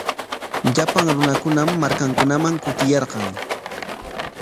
Llapan runakunam markankunaman kutiyarqan.